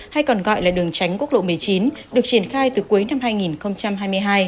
hay còn gọi là đường tránh quốc lộ một mươi chín được triển khai từ cuối năm hai nghìn hai mươi hai